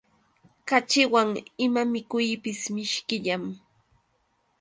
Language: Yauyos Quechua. Kaćhiwan ima mikuypis mishkillam.